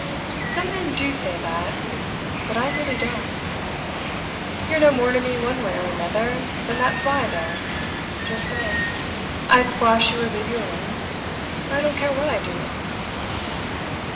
Some men do say that; but I really don't. You are no more to me one way or another than that fly there. Just so. I'd squash you or leave you alone. I don't care what I do."